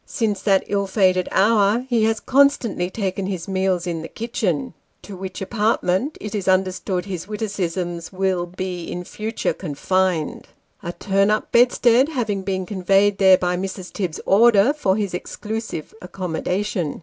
Since that ill fated hour he has constantly taken his meals in the kitchen, to which apart ment, it is understood, his witticisms will bo in future confined : a turn up bedstead having been conveyed there by Mrs. Tibbs's order 21 8 Sketches by Boz. for his exclusive accommodation.